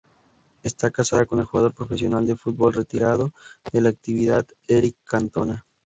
Está casada con el jugador profesional de fútbol retirado de la actividad Éric Cantona.